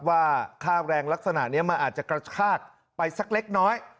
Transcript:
ว่าค่าแรงลักษณะนี้มันอาจจะกระชากไปสักเล็กน้อย